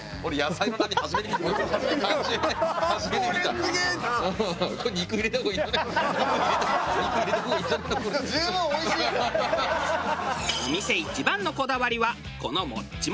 お店一番のこだわりはこのもっちもちの太麺。